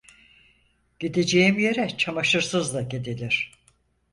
Gideceğim yere çamaşırsız da gidilir.